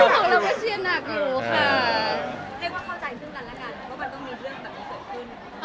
ของเราก็เชียนนักอยู่ค่ะ